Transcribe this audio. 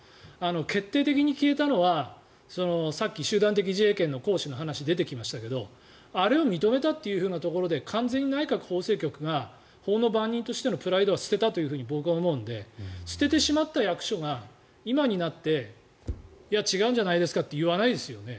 決定的に消えたのはさっき集団的自衛権の行使の話が出てきましたがあれを認めたところで完全に内閣法制局が法の番人としてのプライドを捨てたと僕は思うので捨ててしまった役所が今になって違うんじゃないですかと言わないですよね。